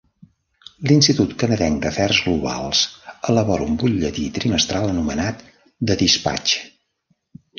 L'Institut canadenc d'afers globals elabora un butlletí trimestral anomenat "The Dispatch".